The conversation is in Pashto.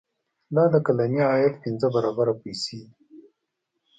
دا د کلني عاید پنځه برابره پیسې دي.